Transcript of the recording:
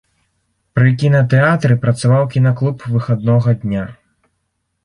Пры кінатэатры працаваў кінаклуб выхаднога дня.